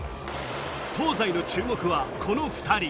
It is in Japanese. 東西の注目はこの２人。